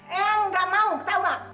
eang gak mau tau gak